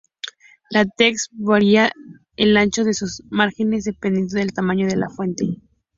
LaTeX varía el ancho de sus márgenes dependiendo del tamaño de la fuente.